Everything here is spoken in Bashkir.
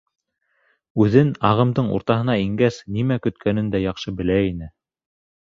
Үҙен ағымдың уртаһына ингәс нимә көткәнен дә яҡшы белә ине.